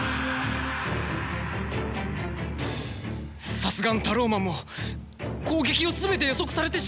さすがのタローマンも攻撃を全て予測されてしまっては。